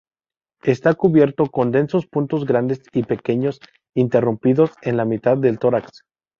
Está cubierto con densos puntos grandes y pequeños, interrumpidos en la mitad del tórax.